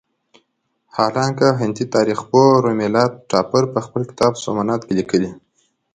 حالانکه هندي تاریخ پوه رومیلا تاپړ په خپل کتاب سومنات کې لیکلي.